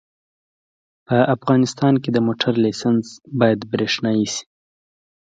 په افغانستان کې د موټر لېسنس باید برېښنایي شي